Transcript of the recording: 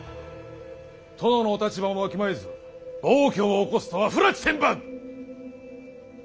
殿のお立場もわきまえず暴挙を起こすとは不埒千万！